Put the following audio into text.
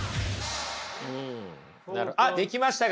あできましたか？